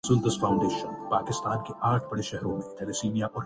اس کے لیے قومی سیاسی جماعتوں کا کردار بہت اہم ہے۔